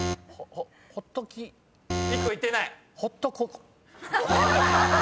１個言ってない。